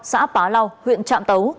xã pá lau huyện trạm tấu